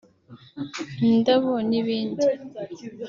indabo n’ibindi)